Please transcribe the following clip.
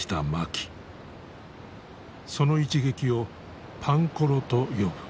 その一撃をパンコロと呼ぶ。